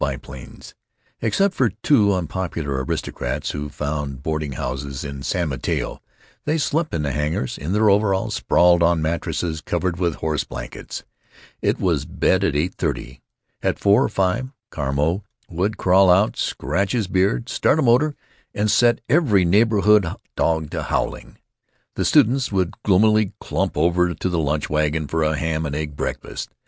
biplanes. Except for two unpopular aristocrats who found boarding houses in San Mateo, they slept in the hangars, in their overalls, sprawled on mattresses covered with horse blankets. It was bed at eight thirty. At four or five Carmeau would crawl out, scratch his beard, start a motor, and set every neighborhood dog howling. The students would gloomily clump over to the lunch wagon for a ham and egg breakfast.